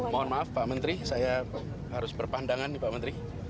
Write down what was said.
mohon maaf pak menteri saya harus berpandangan nih pak menteri